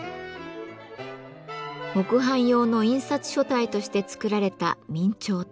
木版用の印刷書体として作られた明朝体。